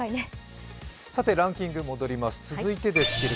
ランキング戻ります。